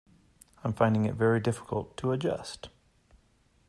I'm finding it very difficult to adjust